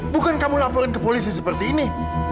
bukan kamu laporin ke polisi seperti ini